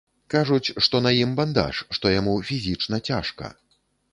Кажуць, што на ім бандаж, што яму фізічна цяжка.